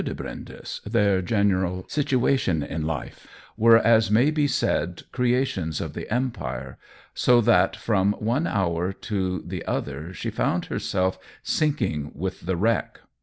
de Brindes, their general situation in life, were, as may be said, creations of the Empire, so that from one hour to the other she found herself sinking with the wreck.